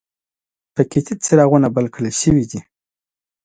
په کې تت څراغونه بل کړل شوي دي.